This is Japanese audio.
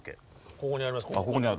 ここにあります。